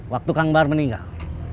waktu kang bar meninggal